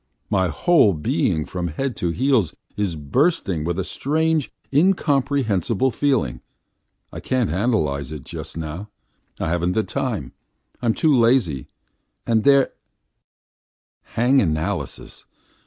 "My whole being from head to heels is bursting with a strange, incomprehensible feeling. I can't analyse it just now I haven't the time, I'm too lazy, and there hang analysis!